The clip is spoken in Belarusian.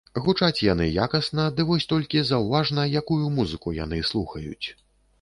Гучаць яны якасна, ды вось толькі заўважна, якую музыку яны слухаюць.